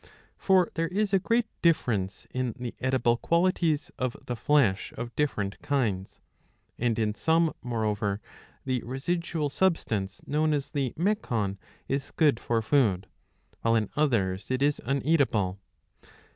For there is a great difference in the edible qualities of the flesh of different kinds; and in some, moreover, the residual substance known as the mecon*^ is good for food, while in others it is uneatable.